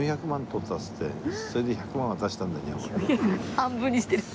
半分にして。